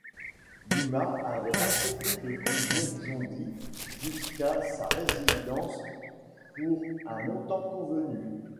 Duma avait accepté de conduire Zondi jusqu'à sa résidence pour un montant convenu.